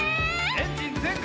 エンジンぜんかい！